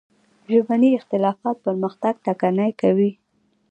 ژبني اختلافات پرمختګ ټکنی کوي.